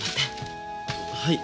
はい。